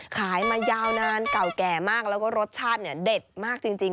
ขายมายาวนานเก่าแก่มากแล้วก็รสชาติเด็ดมากจริง